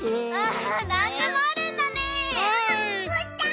なんでもあるんだね！